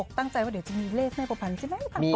ตั้งใจว่าเดี๋ยวจะมีเลขแม่ประพันธ์ใช่ไหม